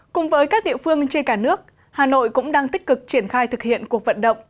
cùng với các địa phương trên cả nước hà nội cũng đang tích cực triển khai thực hiện cuộc vận động